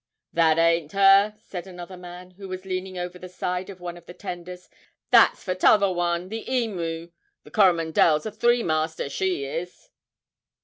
'That ain't her,' said another man, who was leaning over the side of one of the tenders, 'that's the t'other one the "Emu;" the "Coromandel's" a three master, she is.'